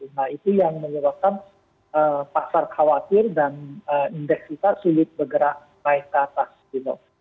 nah itu yang menyebabkan pasar khawatir dan indeks kita sulit bergerak naik ke atas gitu